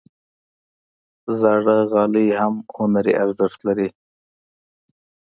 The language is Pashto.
زاړه غالۍ هم هنري ارزښت لري.